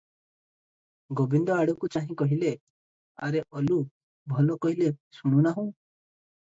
ଗୋବିନ୍ଦ ଆଡ଼କୁ ଚାହି କହିଲେ, 'ଆରେ ଓଲୁ, ଭଲ କହିଲେ ଶୁଣୁନାହୁଁ?